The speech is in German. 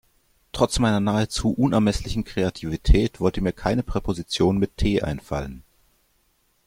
Trotz meiner nahezu unermesslichen Kreativität wollte mir keine Präposition mit T einfallen.